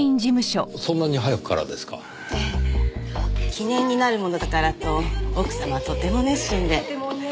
記念になるものだからと奥様はとても熱心で。